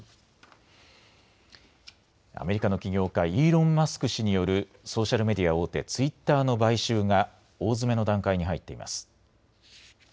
アメリカの起業家、イーロン・マスク氏によるソーシャルメディア大手、ツイッターの買収が大詰めの段階に入っています。